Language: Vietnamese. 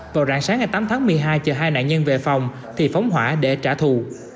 vào rạng sáng ngày tám tháng một mươi hai chờ hai nạn nhân về phòng thì phóng hỏa để trả thù